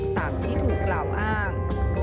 ตามที่ถูกกล่าวอ้าง